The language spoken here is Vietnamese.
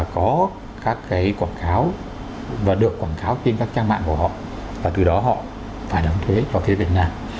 có các cái quảng cáo và được quảng cáo trên các trang mạng của họ và từ đó họ phải đóng thuế cho thuê việt nam